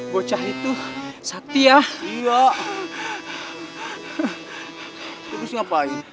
bocoh itu sati ya iya